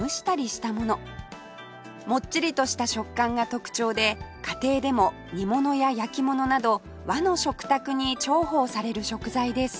もっちりとした食感が特徴で家庭でも煮物や焼き物など和の食卓に重宝される食材です